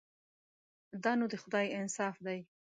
دا نو د خدای انصاف دی.